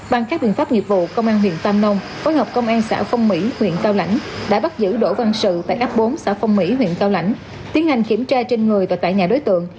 bằng các biện pháp nghiệp vụ công an huyện tam nông phối hợp công an xã phong mỹ huyện cao lãnh đã bắt giữ đỗ văn sự tại ấp bốn xã phong mỹ huyện cao lãnh tiến hành kiểm tra trên người và tại nhà đối tượng